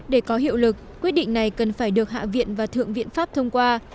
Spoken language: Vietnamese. để có hiệu lực quyết định này cần phải được hạ viện và thượng viện pháp thông qua